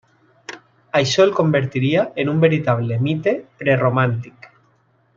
Això el convertiria en un veritable mite preromàntic.